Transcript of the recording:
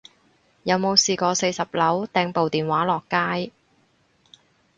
有冇試過四十樓掟部電話落街